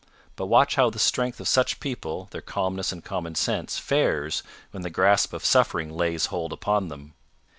But watch how the strength of such people, their calmness and common sense, fares when the grasp of suffering lays hold upon them.